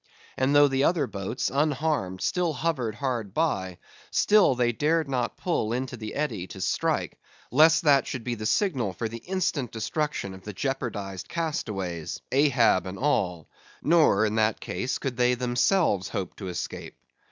And though the other boats, unharmed, still hovered hard by; still they dared not pull into the eddy to strike, lest that should be the signal for the instant destruction of the jeopardized castaways, Ahab and all; nor in that case could they themselves hope to escape.